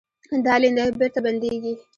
دا لیندیو بېرته بندېږي.